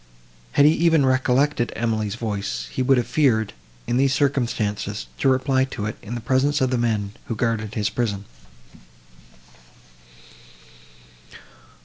Had he even recollected Emily's voice, he would have feared, in these circumstances, to reply to it, in the presence of the men, who guarded his prison.